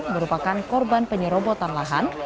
merupakan korban penyerobotan lahan